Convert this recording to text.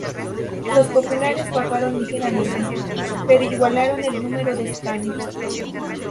Los populares bajaron ligeramente, pero igualaron el número de escaños.